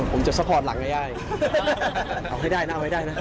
ผมจะสปอร์ตหลังไอ้ย่ายเอาให้ได้นะเอาให้ได้นะ